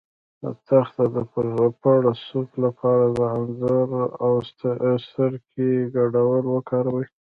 د تخه د پړسوب لپاره د انځر او سرکې ګډول وکاروئ